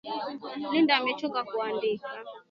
Linda amechoka kuandika.